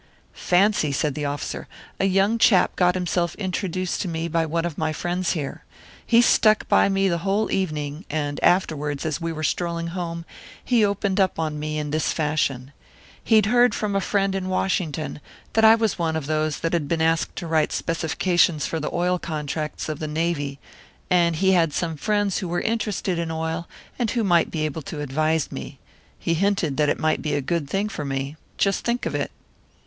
"Fancy," said the officer. "A young chap got himself introduced to me by one of my friends here. He stuck by me the whole evening, and afterwards, as we were strolling home, he opened up on me in this fashion. He'd heard from a friend in Washington that I was one of those who had been asked to write specifications for the oil contracts of the Navy; and he had some friends who were interested in oil, and who might be able to advise me. He hinted that it might be a good thing for me. Just think of it!"